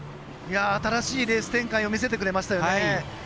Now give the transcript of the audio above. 新しいレース展開を見せてくれましたね。